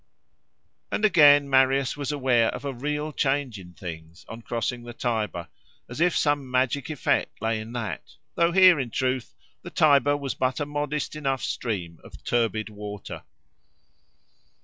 And again Marius was aware of a real change in things, on crossing the Tiber, as if some magic effect lay in that; though here, in truth, the Tiber was but a modest enough stream of turbid water.